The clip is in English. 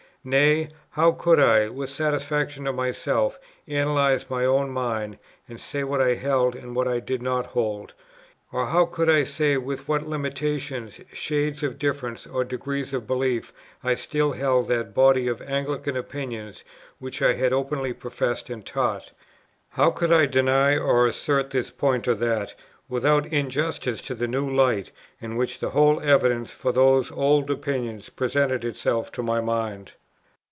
Nay, how could I, with satisfaction to myself, analyze my own mind, and say what I held and what I did not hold? or how could I say with what limitations, shades of difference, or degrees of belief, I still held that body of Anglican opinions which I had openly professed and taught? how could I deny or assert this point or that, without injustice to the new light, in which the whole evidence for those old opinions presented itself to my mind?